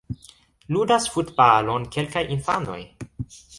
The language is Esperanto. Ludas futbalon kelkaj infanoj.